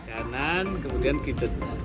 kanan kemudian kejadian